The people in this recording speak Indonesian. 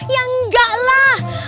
ya enggak lah